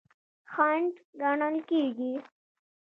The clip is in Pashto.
خنډ ګڼل کیږي.